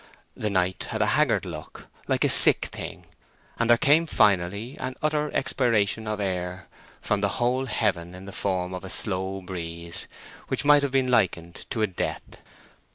The night had a haggard look, like a sick thing; and there came finally an utter expiration of air from the whole heaven in the form of a slow breeze, which might have been likened to a death.